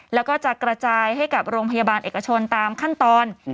แล้วก็จะกระจายให้กับโรงพยาบาลเอกชนตามขั้นตอน